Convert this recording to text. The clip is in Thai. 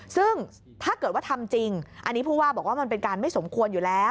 ซึ่งถ้าเกิดว่าทำจริงอันนี้ผู้ว่าบอกว่ามันเป็นการไม่สมควรอยู่แล้ว